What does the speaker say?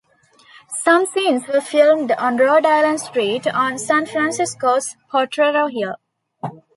Some scenes were filmed on Rhode Island Street, on San Francisco's Potrero Hill.